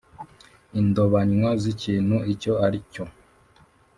indobanywa z ikintu icyo ari cyo